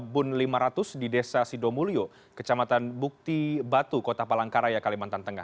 bun lima ratus di desa sidomulyo kecamatan bukti batu kota palangkaraya kalimantan tengah